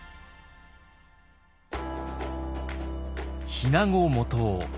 日名子元雄。